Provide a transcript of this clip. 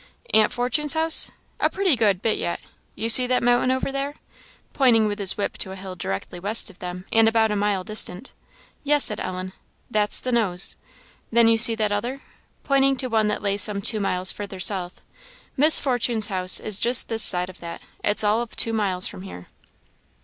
" 'Aunt Fortune's house?' a pretty good bit yet. You see that mountain over there?" pointing with his whip to a hill directly west of them, and about a mile distant. "Yes," said Ellen. "That's the Nose. Then you see that other?" pointing to one that lay some two miles further south; "Miss Fortune's house is just this side of that; it's all of two miles from here."